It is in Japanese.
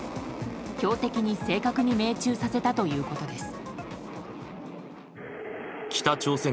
標的に正確に命中させたということです。